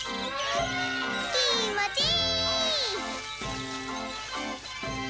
きもちい！